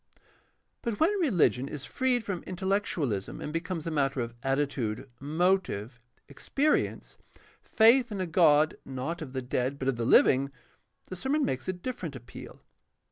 But when religion is freed from intellectuahsm and becomes a matter of attitude, motive, experience, faith in a God not of the dead but of the living, the sermon makes a different appeal.